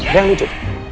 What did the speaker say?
ada yang lucu